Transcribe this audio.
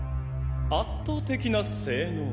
圧倒的な性能。